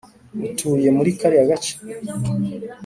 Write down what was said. utuye muri kariya gace?